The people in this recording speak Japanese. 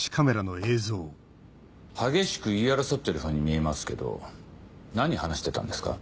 激しく言い争ってるふうに見えますけど何話してたんですか？